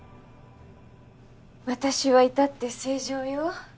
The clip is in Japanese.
私はいたって正常よ。